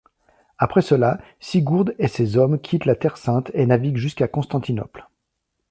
Après cela, Sigurd et ses hommes quittent la Terre sainte et naviguent jusqu'à Constantinople.